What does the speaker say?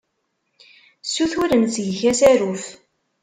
Ssutureɣ seg-k asaruf.